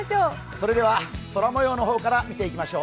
それでは空もようの方から見ていきましょう。